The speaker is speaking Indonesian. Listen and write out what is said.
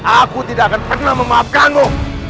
aku tidak akan pernah memaafkanmu